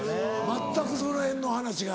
全くその辺の話が。